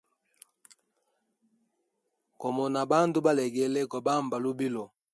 Gomona bandu balegele gobamba lubilo.